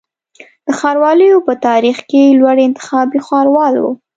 د ښاروالیو په تاریخ کي لوړی انتخابي ښاروال و